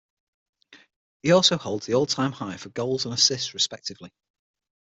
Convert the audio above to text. He also holds the all-time high for goals and assists respectively.